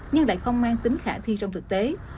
nhưng lại không mang tính khả thi trong thực tế